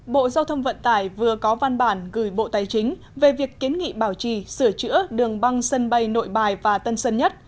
bộ giao thông vận tải vừa có văn bản gửi bộ tài chính về việc kiến nghị bảo trì sửa chữa đường băng sân bay nội bài và tân sơn nhất